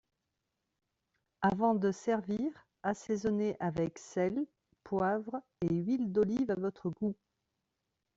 Avant de servir, assaisonner avec sel, poivre et huile d’olive à votre goût